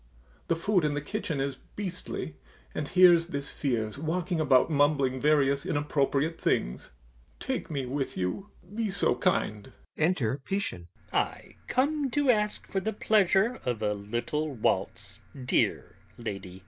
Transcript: The food in the kitchen is beastly, and here's this Fiers walking about mumbling various inappropriate things. Take me with you, be so kind! [Enter PISCHIN.] PISCHIN. I come to ask for the pleasure of a little waltz, dear lady....